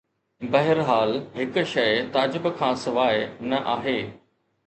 بهرحال، هڪ شيء تعجب کان سواء نه آهي.